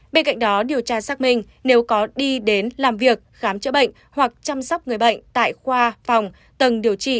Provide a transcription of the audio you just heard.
bên cạnh đó điều tra xác minh nếu có đi đến làm việc khám chữa bệnh hoặc chăm sóc người bệnh tại khoa phòng tầng điều trị